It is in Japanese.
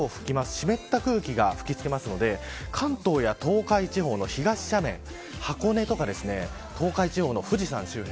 湿った空気が吹きつけるので関東や東海地方の東斜面箱根とか東海地方の富士山周辺